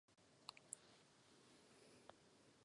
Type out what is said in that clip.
Pro Homo sapiens je už příliš pozdě.